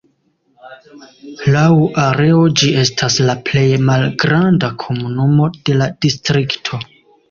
Laŭ areo ĝi estas la plej malgranda komunumo de la distrikto.